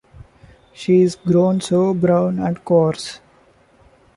She is grown so brown and coarse!